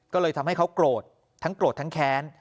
ก็เลยทำให้เขาโกรธทั้งโกรธทั้งแค้น